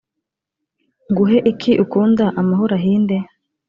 nguhe iki ukunda amahoro ahinde